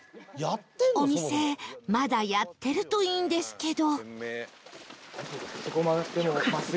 お店まだやってるといいんですけど